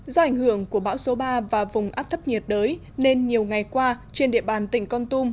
do ảnh hưởng của bão số ba và vùng áp thấp nhiệt đới nên nhiều ngày qua trên địa bàn tỉnh con tum